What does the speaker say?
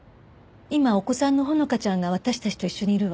今お子さんの穂花ちゃんが私たちと一緒にいるわ。